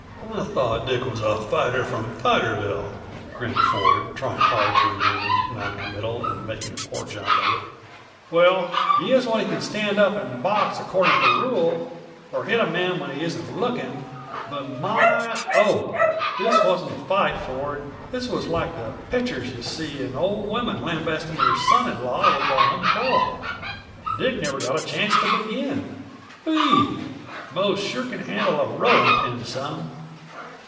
"I thought Dick was a fighter from Fighterville," grinned Ford, trying hard to remain non committal and making a poor job of it. "Well, he is, when he can stand up and box according to rule, or hit a man when he isn't looking. But my, oh! This wasn't a fight, Ford; this was like the pictures you see of an old woman lambasting her son in law with an umbrella. Dick never got a chance to begin. Whee ee! Mose sure can handle a rolling pin some!"